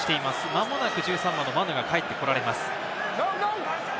間もなくマヌが帰ってこられます。